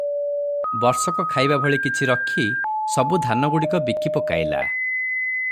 ବର୍ଷକ ଖାଇବା ଭଳି କିଛି ରଖି ସବୁ ଧାନଗୁଡିକ ବିକି ପକାଇଲା ।